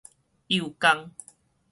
幼工